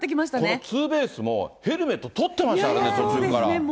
このツーベースも、ヘルメット取ってましたからね、途中から。